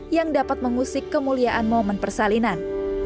yang dapat mengusik kemuliaan momen persalinan